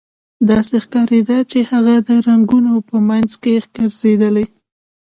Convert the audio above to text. داسې ښکاریده چې هغه د رنګونو په مینځ کې ګرځیدلې